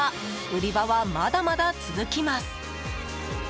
売り場はまだまだ続きます。